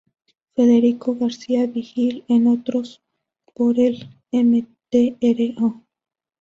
Federico García Vigil, en otros por el Mtro.